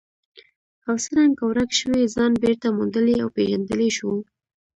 او څرنګه ورک شوی ځان بېرته موندلی او پېژندلی شو.